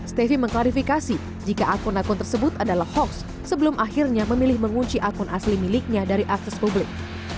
stefi mengklarifikasi jika akun akun tersebut adalah hoax sebelum akhirnya memilih mengunci akun asli miliknya dari akses publik